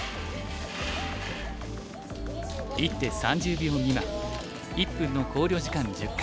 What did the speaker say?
一手３０秒未満１分の考慮時間１０回。